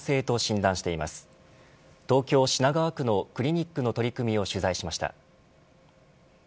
東京・品川区のクリニックの取り組みを取材しました。